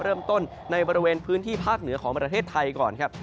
เริ่มต้นในบริเวณพื้นที่ภาคเหนือของประเทศไทยก่อนครับ